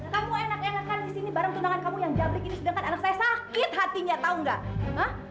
kamu enak enakan disini bareng tunangan kamu yang jabrik ini sedangkan anak saya sakit hatinya tau gak